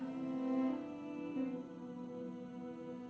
saya berjanji demi allah